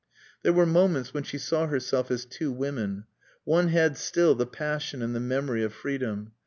There were moments when she saw herself as two women. One had still the passion and the memory of freedom.